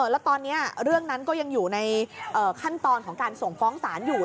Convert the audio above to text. แล้วตอนนี้เรื่องนั้นก็ยังอยู่ในขั้นตอนของการส่งฟ้องศาลอยู่